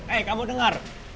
eh kamu dengar